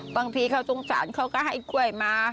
บางทีเขาสงสารเขาก็ให้กล้วยมา